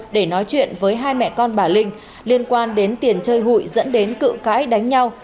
để nói chuyện với hai mẹ con bà linh liên quan đến tiền chơi hụi dẫn đến cự cãi đánh nhau